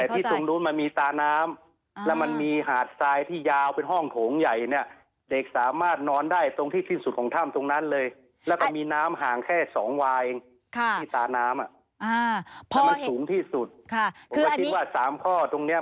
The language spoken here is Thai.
ที่ตาน้ำน่ะมันสูงที่สุดผมคิดว่า๓ข้อตรงนี้